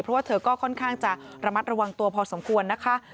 เพราะว่าเธอก็ค่อนข้างจะระมัดระวังตัวพอสมควรนะคะ